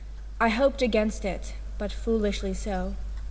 I hoped against it, but foolishly so.